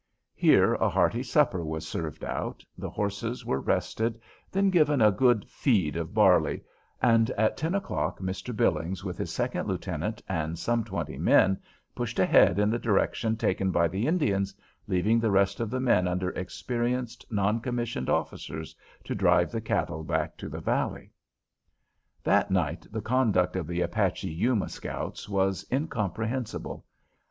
Here a hearty supper was served out, the horses were rested, then given a good "feed" of barley, and at ten o'clock Mr. Billings with his second lieutenant and some twenty men pushed ahead in the direction taken by the Indians, leaving the rest of the men under experienced non commissioned officers to drive the cattle back to the valley. That night the conduct of the Apache Yuma scouts was incomprehensible.